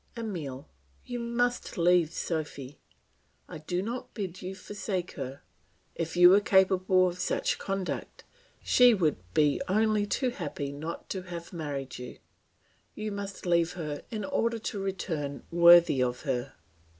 "Emile, you must leave Sophy; I do not bid you forsake her; if you were capable of such conduct, she would be only too happy not to have married you; you must leave her in order to return worthy of her.